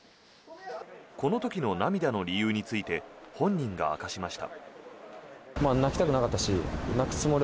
この時の涙の理由について本人が明かしました。